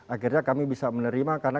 akhirnya kami bisa menerima karena